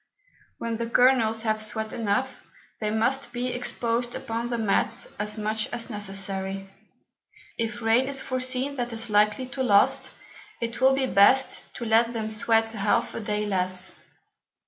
When the Kernels have sweat enough, they must be exposed upon the Mats as much as necessary: If Rain is foreseen that is likely to last, it will be best to let them sweat half a Day less.